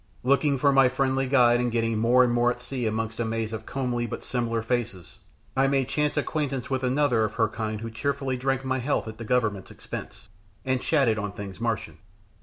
Looking for my friendly guide and getting more and more at sea amongst a maze of comely but similar faces, I made chance acquaintance with another of her kind who cheerfully drank my health at the Government's expense, and chatted on things Martian.